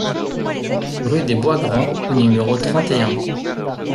Rue des Bois Grands au numéro trente et un